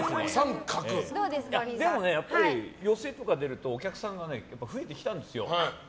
でもね、寄席とか出るとお客さんが増えてきたんですよ。